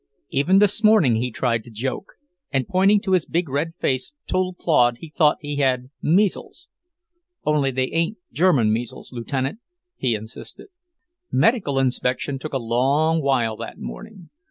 Even this morning he tried to joke, and pointing to his big red face told Claude he thought he had measles. "Only they ain't German measles, Lieutenant," he insisted. Medical inspection took a long while that morning.